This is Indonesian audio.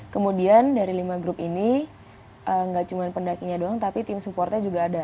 kemudian dari lima grup ini nggak cuma pendakinya doang tapi tim supportnya juga ada